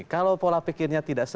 kalau pola pikirnya tidak